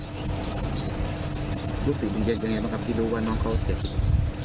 รู้สึกเย็นยังไงบ้างครับที่รู้ว่าน้องเขาเสร็จ